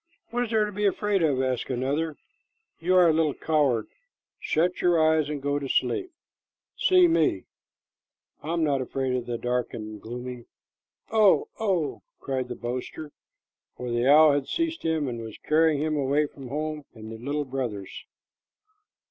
"What is there to be afraid of?" asked another. "You are a little coward. Shut your eyes and go to sleep. See me! I am not afraid, if it is dark and gloomy. Oh, oh!" cried the boaster, for the owl had seized him and was carrying him away from home and his little brothers.